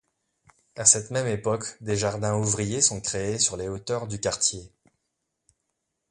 À cette même époque, des jardins ouvriers sont créés sur les hauteurs du quartier.